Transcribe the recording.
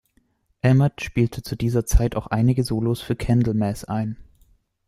Amott spielte zu dieser Zeit auch einige Solos für Candlemass ein.